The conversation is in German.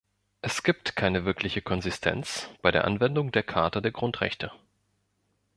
Es gibt keine wirkliche Konsistenz bei der Anwendung der Charta der Grundrechte.